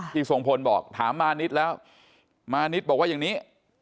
ทรงพลบอกถามมานิดแล้วมานิดบอกว่าอย่างนี้